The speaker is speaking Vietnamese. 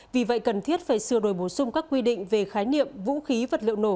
vì vậy cần thiết phải sửa đổi bổ sung các quy định về khái niệm vũ khí vật liệu nổ